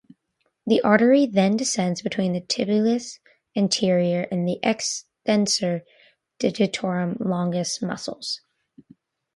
The artery then descends between the tibialis anterior and extensor digitorum longus muscles.